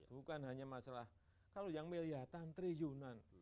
bukan hanya masalah kalau yang miliaran triliunan